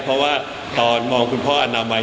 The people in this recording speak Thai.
เพราะว่าตอนมองคุณพ่ออนามัย